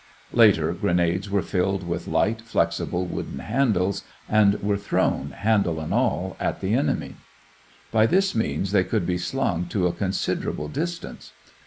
Later, grenades were fitted with light, flexible wooden handles and were thrown, handle and all, at the enemy. By this means they could be slung to a considerable distance.